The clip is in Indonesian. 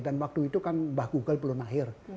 dan waktu itu kan mbah google belum akhir